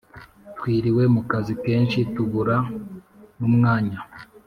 twiriwe mukazi kenshi tubura numwanya!!.